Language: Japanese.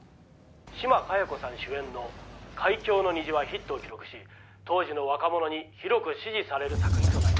「島加代子さん主演の『海峡の虹』はヒットを記録し当時の若者に広く支持される作品となりました」